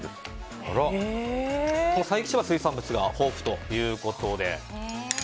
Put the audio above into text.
佐伯市は水産物が有名ということで。